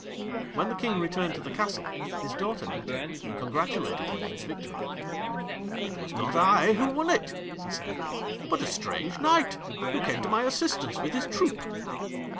When the King returned to the castle his daughter met him and congratulated him on his victory. 'It was not I who won it,' he said; 'but a strange Knight, who came to my assistance with his troop.'